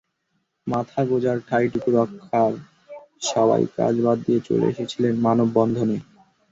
মাথা গোঁজার ঠাঁইটুকু রক্ষায় সবাই কাজ বাদ দিয়ে চলে এসেছিলেন মানববন্ধনে।